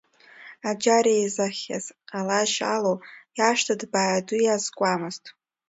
Аџьар еизахьаз Қьалашь Алоу иашҭа ҭбаа ду иазкуамызт.